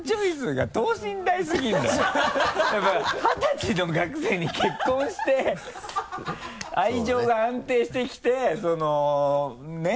やっぱ二十歳の学生に結婚して愛情が安定してきてそのね